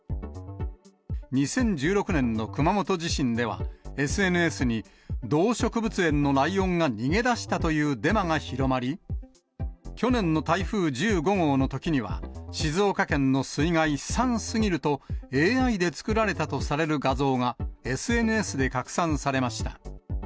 ２０１６年の熊本地震では、ＳＮＳに、動植物園のライオンが逃げ出したというデマが広がり、去年の台風１５号のときには、静岡県の水害、悲惨すぎると、ＡＩで作られたとされる画像が、ＳＮＳで拡散されました。